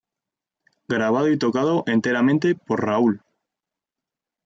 Grabado y tocado enteramente por Raúl.